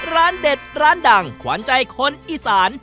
ร้านเด็ดร้านดังขวานใจคนอีสาน